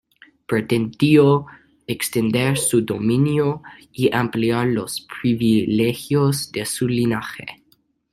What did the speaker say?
Pretendió extender su dominio y ampliar los privilegios de su linaje.